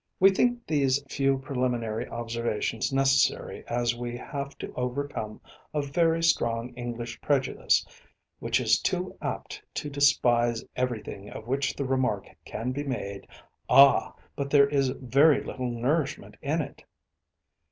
We think these few preliminary observations necessary as we have to overcome a very strong English prejudice, which is too apt to despise everything of which the remark can be made "Ah! but there is very little nourishment in it."